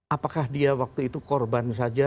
apakah dia waktu itu korban saja